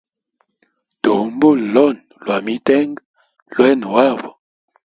Tuhumbule loni lwa mitenga lwayene wabo.